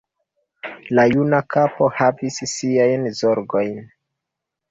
La juna kapo havis siajn zorgojn.